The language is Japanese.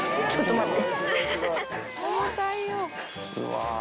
待って。